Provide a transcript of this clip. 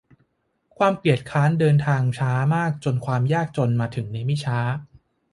ความเกียจคร้านเดินทางช้ามากจนความยากจนมาถึงในไม่ช้า